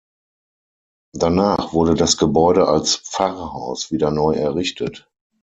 Danach wurde das Gebäude als Pfarrhaus wieder neu errichtet.